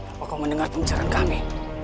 apa kau mendengar pembicaraan kami